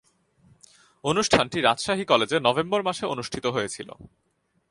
অনুষ্ঠানটি রাজশাহী কলেজে নভেম্বর মাসে অনুষ্ঠিত হয়েছিলো।